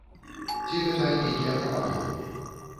Ці гэта нейкія прапановы?